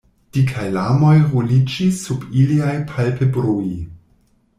Dikaj larmoj ruliĝis sub iliaj palpebroj.